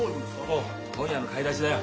おう今夜の買い出しだよ。